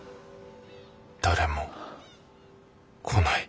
誰も来ない。